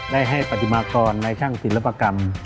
ได้ให้ปฏิมากรในช่างศิลปกรรม